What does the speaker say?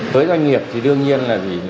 với doanh nghiệp thì đương nhiên là